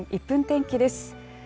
１分天気です。